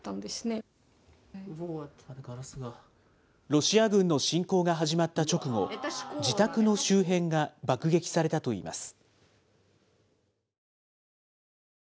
ロシア軍の侵攻が始まった直後、自宅の周辺が爆撃されたといいます。